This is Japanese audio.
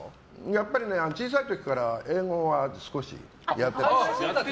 やっぱり小さい時から英語を少しやってた。